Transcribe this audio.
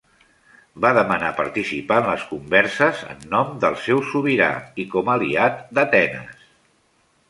Va demanar participar en les converses en nom del seu sobirà i com aliat d'Atenes.